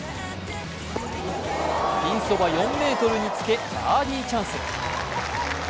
ピンそば４ｍにつけ、バーディーチャンス。